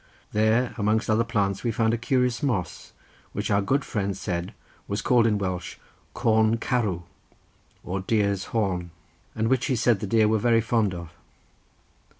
There, amongst other plants, we found a curious moss which our good friend said was called in Welsh Corn Carw, or deer's horn, and which he said the deer were very fond of.